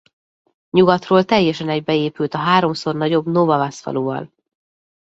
Nyugatról teljesen egybeépült a háromszor nagyobb Nova Vas faluval.